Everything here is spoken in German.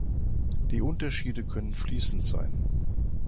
Die Unterschiede können fließend sein.